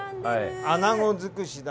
アナゴ尽くしだ。